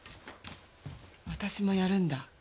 私もやるんだ。